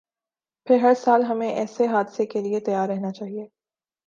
پھر ہرسال ہمیں ایسے حادثے کے لیے تیار رہنا چاہیے۔